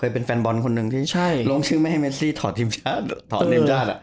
เป็นแฟนบอลคนหนึ่งลงชื่อแม่ไหมซี่ถอดทีมชาติถอดเนมจาด